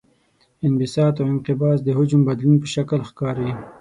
انبساط او انقباض د حجم د بدلون په شکل ښکاري.